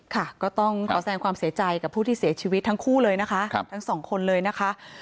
ค่ะก็ต้องขอแสงความเสียใจกับผู้ที่เสียชีวิตทั้งคู่เลยนะคะทั้งสองคนเลยนะคะ